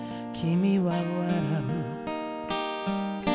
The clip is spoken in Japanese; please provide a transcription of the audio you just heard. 「君は笑う」